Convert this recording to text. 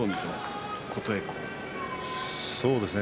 そうですね。